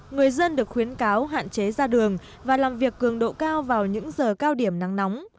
người dân được khuyến cáo hạn chế ra đường và làm việc cường độ cao vào những giờ cao điểm nắng nóng